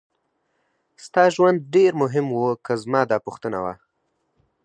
ستا ژوند ډېر مهم و که زما دا پوښتنه وه.